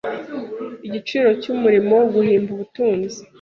igiciro cyumurimoGuhimba ubutunzi